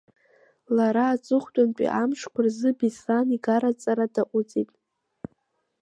Лара аҵыхәтәантәи амшқәа рзы Беслан игараҵара даҟәыҵит.